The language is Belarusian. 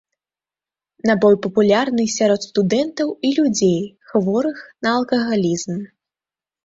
Напой папулярны сярод студэнтаў і людзей, хворых на алкагалізм.